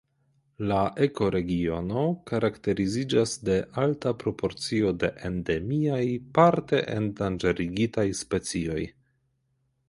La ekoregiono karakteriziĝas de alta proporcio de endemiaj, parte endanĝerigitaj specioj.